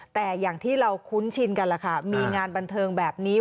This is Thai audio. แต่อย่างที่เราคุ้นชินกันล่ะค่ะมีงานบันเทิงแบบนี้